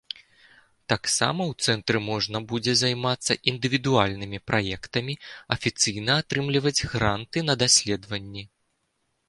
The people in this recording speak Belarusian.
Таксама ў цэнтры можна будзе займацца індывідуальнымі праектамі, афіцыйна атрымліваць гранты на даследаванні.